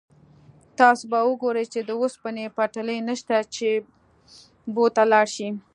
تاسو به ګورئ چې د اوسپنې پټلۍ نشته چې بو ته لاړ شئ.